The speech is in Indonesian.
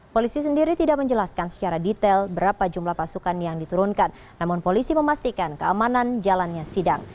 polisi sendiri tidak menjelaskan secara detail berapa jumlah pasukan yang diturunkan namun polisi memastikan keamanan jalannya sidang